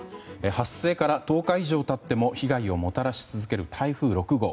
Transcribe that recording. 発生から１０日以上経っても被害をもたらし続ける台風６号。